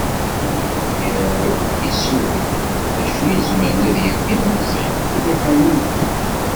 Ur yezmir ara akk ad yessugen d acu i izemren ad yerr tilemẓit deg liḥala am tin.